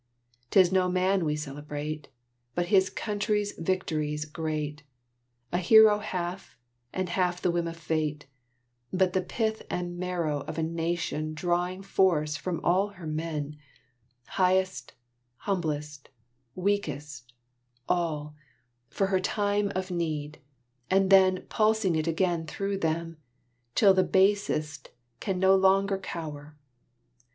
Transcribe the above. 'Tis no Man we celebrate, By his country's victories great, A hero half, and half the whim of Fate, But the pith and marrow of a Nation Drawing force from all her men, Highest, humblest, weakest, all, For her time of need, and then Pulsing it again through them, Till the basest can no longer cower.